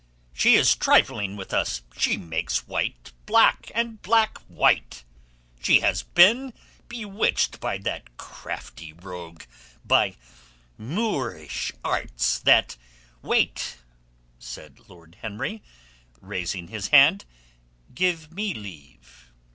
"She is trifling with us, she makes white black and black white. She has been bewitched by that crafty rogue, by Moorish arts that...." "Wait!" said Lord Henry, raising his hand. "Give me leave."